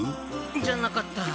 じゃなかった。